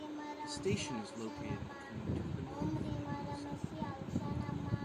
The station is located between to the north and to the south.